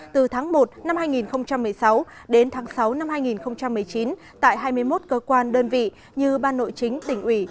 từ tháng một năm hai nghìn một mươi sáu đến tháng sáu năm hai nghìn một mươi chín tại hai mươi một cơ quan đơn vị như ban nội chính tỉnh ủy